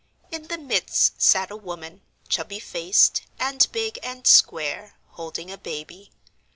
In the midst sat a woman, chubby faced, and big and square, holding a baby.